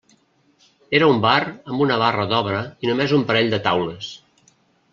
Era un bar amb una barra d'obra i només un parell de taules.